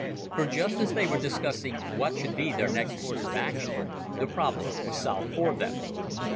For just as they were discussing what should be their next course of action, the problem was solved for them.